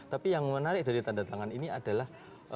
tapi yang menarik dari tanda tangan ini adalah